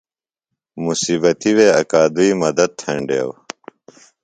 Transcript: مصیبتی وے اکوادی مدت تھینڈیو۔